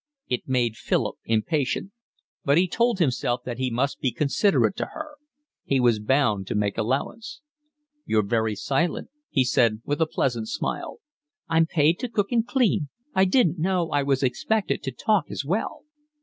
It made Philip impatient, but he told himself that he must be considerate to her; he was bound to make allowance. "You're very silent," he said, with a pleasant smile. "I'm paid to cook and clean, I didn't know I was expected to talk as well."